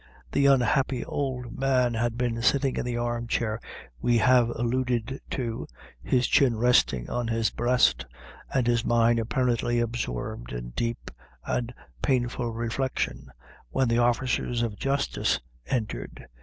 The unhappy old man had been sitting in the armchair we have alluded to, his chin resting on his breast, and his mind apparently absorbed in deep and painful reflection, when the officers of justice entered.